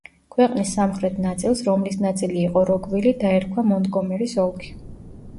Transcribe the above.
ქვეყნის სამხრეთ ნაწილს, რომლის ნაწილი იყო როკვილი დაერქვა მონტგომერის ოლქი.